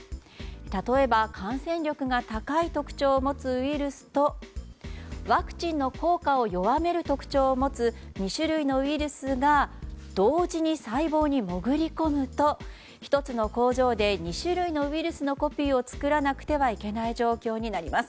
例えば、感染力が高い特徴を持つウイルスとワクチンの効果を弱める特徴を持つ２種類のウイルスが同時に細胞に潜り込むと１つの工場で２種類のウイルスのコピーを作らなくてはいけない状況になります。